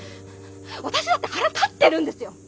私だって腹立ってるんですよ。